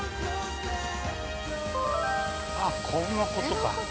◆あっ、ここのことか。